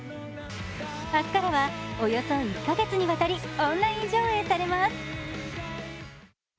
明日からは、およそ１カ月に渡りオンライン上映されます。